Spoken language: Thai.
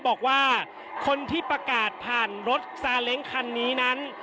บอกว่าคนที่ประกาศผ่านรถซาเล้งคันนี้นั้น